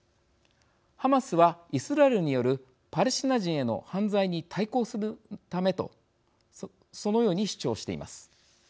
ハマスはイスラエルによるパレスチナ人への犯罪に対抗するためとそのように主張しています。